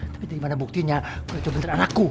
tapi dari mana buktinya gue mencoba bener anakku